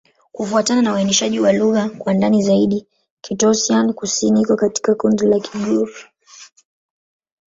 Kufuatana na uainishaji wa lugha kwa ndani zaidi, Kitoussian-Kusini iko katika kundi la Kigur.